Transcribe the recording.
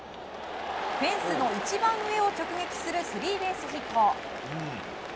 フェンスの一番上を直撃するスリーベースヒット。